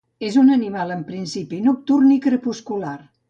És una animal en principi nocturn i crepuscular.